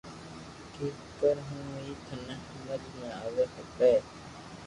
ڪيڪر ھون ئي ٿني ھمج آوي کپي